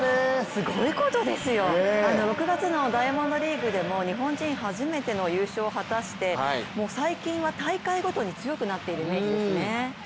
すごいことですよ、６月のダイヤモンドリーグでも日本人初めての優勝を果たして最近は大会ごとに強くなっているイメージですね。